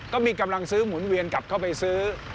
ก็มีกำลังซื้อหมุนเวียนกลับเข้าไปซื้อ